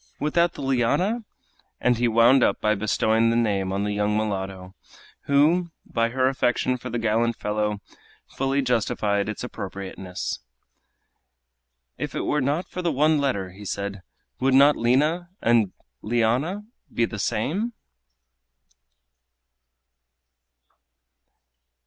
without the liana?" and he wound up by bestowing the name on the young mulatto who, by her affection for the gallant fellow, fully justified its appropriateness. "If it were not for the one letter," he said, "would not Lina and Liana be the same?"